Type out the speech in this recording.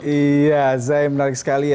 iya zai menarik sekali ya